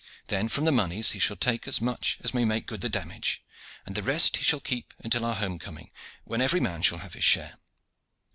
Then from the moneys he shall take as much as may make good the damage, and the rest he shall keep until our home coming, when every man shall have his share.